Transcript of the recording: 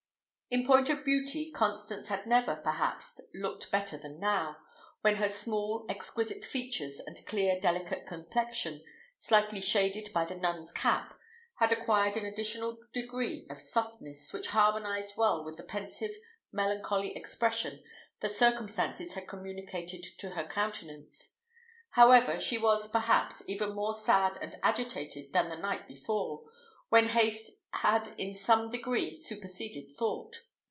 In point of beauty Constance had never, perhaps, looked better than now, when her small, exquisite features, and clear, delicate complexion, slightly shaded by the nun's cap, had acquired an additional degree of softness, which harmonised well with the pensive, melancholy expression that circumstances had communicated to her countenance. However, she was, perhaps, even more sad and agitated than the night before, when haste had in some degree superseded thought.